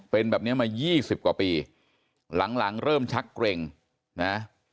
เป็นแบบนี้มา๒๐กว่าปีหลังเริ่มชักเกร็งนะ